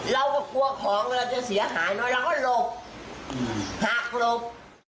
เราก็กลัวของเราจะเสียหายน้อยเราก็หลบหักหลบ